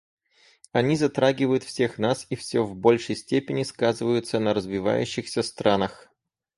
Они затрагивают всех нас и все в большей степени сказываются на развивающихся странах.